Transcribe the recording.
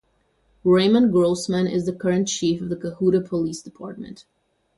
Raymond Grossman is the Current Chief of the Cohutta Police Department.